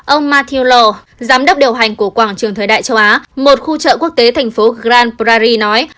ông matthew lowe giám đốc điều hành của quảng trường thời đại châu á một khu trợ quốc tế thành phố grand prairie nói